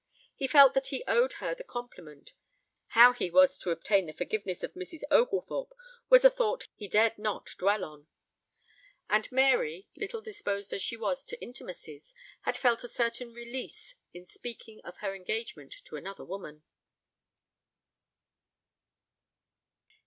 He felt that he owed her the compliment (how he was to obtain the forgiveness of Mrs. Oglethorpe was a thought he dared not dwell on), and Mary, little disposed as she was to intimacies, had felt a certain release in speaking of her engagement to another woman.